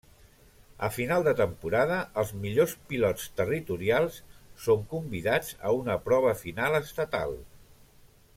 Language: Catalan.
A final de temporada, els millors pilots territorials són convidats a una prova final estatal.